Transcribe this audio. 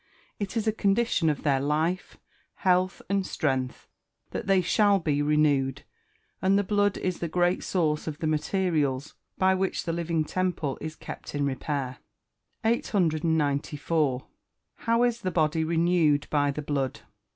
It is a condition of their life, health, and strength, that they shall be "renewed," and the blood is the great source of the materials by which the living temple is kept in repair. 894. _How is the body renewed by the blood?